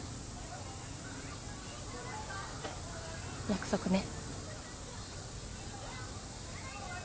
約束ね。